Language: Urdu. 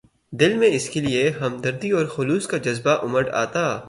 دل میں اس کے لیے ہمدردی اور خلوص کا جذبہ اُمڈ آتا